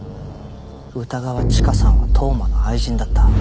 歌川チカさんは当麻の愛人だった。